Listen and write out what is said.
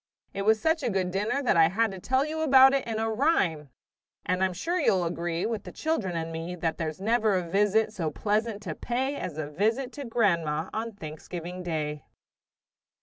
It was such a good dinner that I had to tell you about it in rhyme! And I'm sure you'll agree, With the children and me, That there's never a visit so pleasant to pay As a visit to grandma on Thanksgiving Day.